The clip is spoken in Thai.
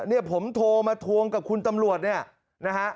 เนี่ยผมโทรมาทวงกับคุณตำรวจเนี่ยนะฮะ